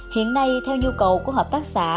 hiện nay theo nhu cầu của hợp tác xã